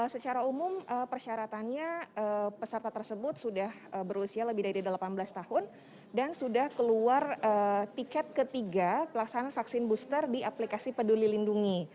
secara umum persyaratannya peserta tersebut sudah berusia lebih dari delapan belas tahun dan sudah keluar tiket ketiga pelaksanaan vaksin booster di aplikasi peduli lindungi